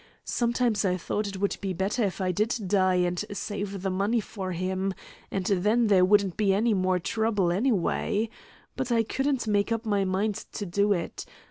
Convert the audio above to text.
Sometimes I thought it would be better if I did die and save the money for him, and then there wouldn't be any more trouble, anyway. But I couldn't make up my mind to do it.